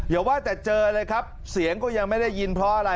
อย่าว่าแต่เจอเลยครับเสียงก็ยังไม่ได้ยินเพราะอะไร